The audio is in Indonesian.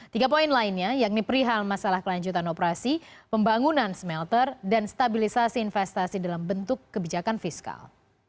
tiga poin lainnya yakni perihal masalah kelanjutan operasi pembangunan smelter dan stabilisasi investasi dalam bentuk kebijakan fiskal